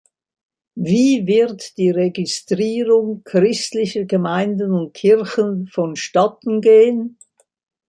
Wie wird die Registrierung christlicher Gemeinden und Kirchen vonstatten gehen?